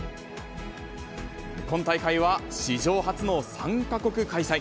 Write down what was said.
今大会は史上初の３か国開催。